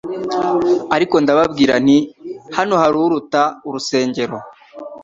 ariko ndababwira nti : "Hano hari Uruta urusengero,